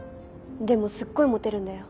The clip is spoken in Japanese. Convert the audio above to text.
でもすっごいモテるんだよ。